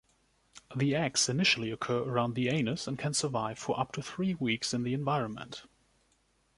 The eggs initially occur around the anus and can survive for up to three weeks in the environment.